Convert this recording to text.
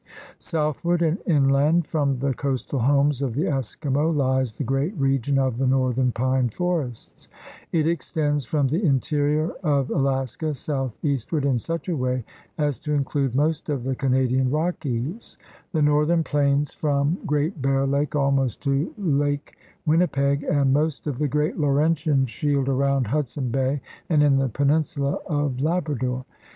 Southward and inland from the coastal homes of the Eskimo lies the great region of the northern pine forests. It extends from the interior of Alaska southeastward in such a way as to include most of the Canadian Rockies, the northern plains from THE RED MAN IN AMERICA 127 Great Bear Lake almost to Lake Winnipeg, and most of the great Laurentian shield around Hudson Bay and in the peninsula of Labrador.